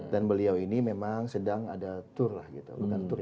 dan beliau ini memang sedang ada tour lah gitu